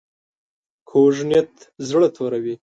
کوږ نیت زړه توروي